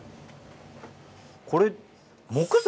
これ木材？